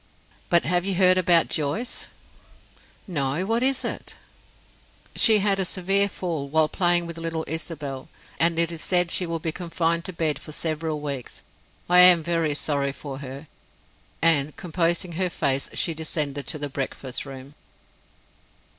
But have you heard about Joyce?" "No. What is it?" "She had a severe fall while playing with little Isabel, and it is said she will be confined to bed for several weeks. I am very sorry for her." And, composing her face, she descended to the breakfast room.